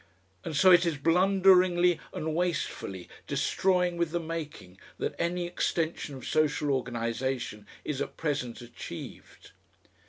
And so it is blunderingly and wastefully, destroying with the making, that any extension of social organisation is at present achieved.